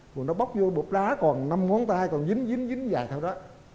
rồi nó bốc vô bột lá còn năm ngón tay còn dính dính dính dài theo đó